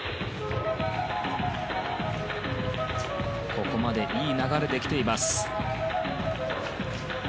ここまでいい流れで来ています。